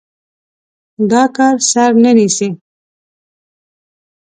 دا کار سر نه نيسي.